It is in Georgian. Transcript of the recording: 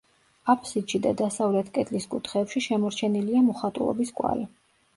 აფსიდში და დასავლეთ კედლის კუთხეებში შემორჩენილია მოხატულობის კვალი.